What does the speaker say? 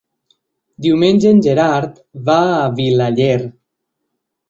Diumenge en Gerard va a Vilaller.